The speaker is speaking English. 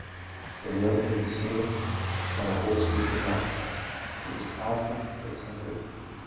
In the opening of the ceiling shone a broad streak of light; it was powerful but tempered.